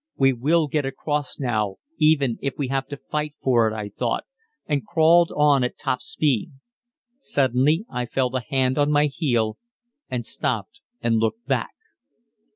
We will get across now, even if we have to fight for it, I thought, and crawled on at top speed. Suddenly I felt a hand on my heel, and stopped and looked back.